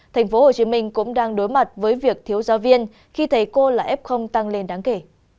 tp hcm cũng đang đối mặt với việc thiếu giáo viên khi thầy cô là f tăng lên đáng kể